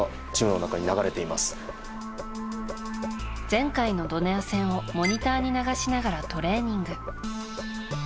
前回のドネア戦をモニターに流しながらトレーニング。